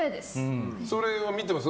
それを見てます？